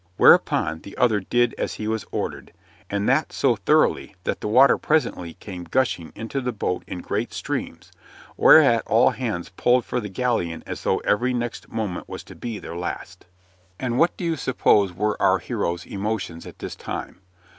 Whereupon the other did as he was ordered, and that so thoroughly that the water presently came gushing into the boat in great streams, whereat all hands pulled for the galleon as though every next moment was to be their last. And what do you suppose were our hero's emotions at this time?